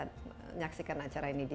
menyaksikan acara ini di